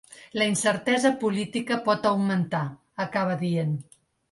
La incertesa política pot augmentar, acaba dient.